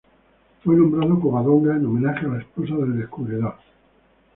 Fue nombrado Covadonga en homenaje a la esposa del descubridor.